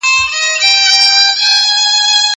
زه له سهاره مېوې وچوم؟!